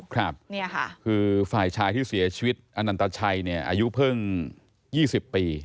คือฝ่ายชายที่เสียชีวิตอนันตาชัยอายุเพิ่ง๒๐ปี